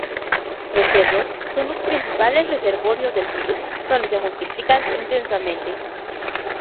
Los cerdos son los principales reservorios del virus donde se multiplican intensamente.